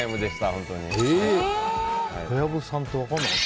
本当に。